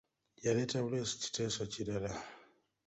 Yaleeta buleesi kiteeso kirala.